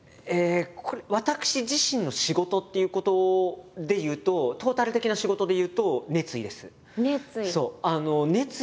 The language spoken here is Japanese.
私自身の仕事っていうことでいうとトータル的な仕事でいうと熱意。